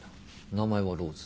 名前はローズ。